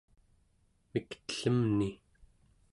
miktellemni